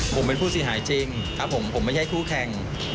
ผมเป็นผู้เสียหายจริงครับผมผมไม่ใช่คู่แข่ง